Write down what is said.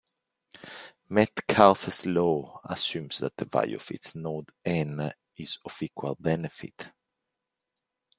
Metcalfe's law assumes that the value of each node n is of equal benefit.